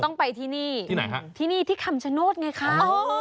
ต้องไปที่นี่ที่ไหนฮะที่นี่ที่คำชโนธไงคะ